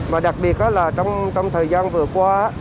mà đặc biệt là trong thời gian vừa qua